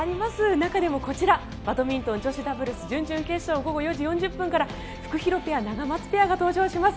中でもこちらバドミントンの女子ダブルス準々決勝午後４時４０分からフクヒロペア、ナガマツペアが登場します。